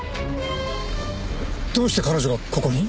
どうして彼女がここに？